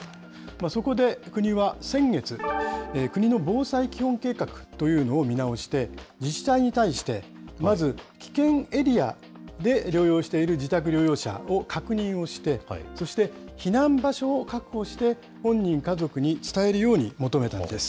そこで国は先月、国の防災基本計画というのを見直して、自治体に対して、まず危険エリアで療養している自宅療養者を確認をして、そして避難場所を確保して、本人、家族に伝えるように求めたんです。